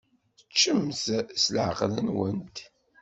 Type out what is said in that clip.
Ččemt s leɛqel-nwent.